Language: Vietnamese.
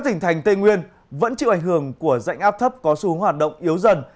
thành tây nguyên vẫn chịu ảnh hưởng của dạnh áp thấp có xu hướng hoạt động yếu dần